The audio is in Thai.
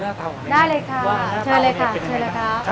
ช่วยเลยค่ะช่วยเลยครับ